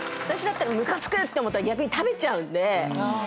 私だったらムカつくと思ったら逆に食べちゃうんで。